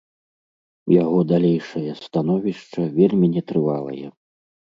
Яго далейшае становішча вельмі нетрывалае.